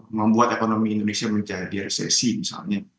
membuat ekonomi indonesia menjadi resesi misalnya